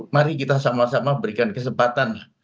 mari kita sama sama berikan kesempatan lah